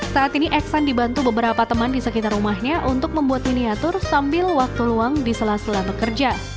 saat ini exan dibantu beberapa teman di sekitar rumahnya untuk membuat miniatur sambil waktu luang di sela sela bekerja